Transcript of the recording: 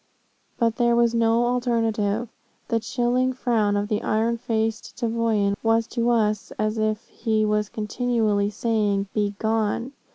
But there was no alternative. The chilling frown of the iron faced Tavoyan was to us as if he was continually saying, 'be gone.'